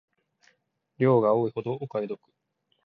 量が多いほどお買い得